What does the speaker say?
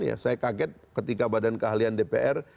ya saya kaget ketika badan keahlian dpr